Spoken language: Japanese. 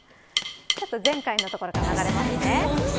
ちょっと前回のところから流れますね。